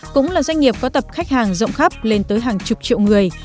cũng là doanh nghiệp có tập khách hàng rộng khắp lên tới hàng chục triệu người